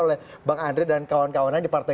oleh bang andre dan kawan kawannya di partai